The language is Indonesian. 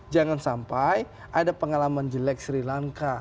jangan sampai ada pengalaman jelek sri lanka